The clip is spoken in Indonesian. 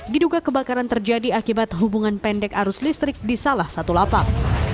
diduga kebakaran terjadi akibat hubungan pendek arus listrik di salah satu lapak